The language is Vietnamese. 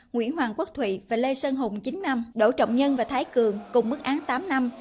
nguyễn hoàng quốc thụy và lê sơn hùng chín năm đỗ trọng nhân và thái cường cùng mức án tám năm